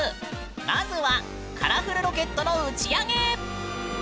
まずはカラフルロケットの打ち上げ！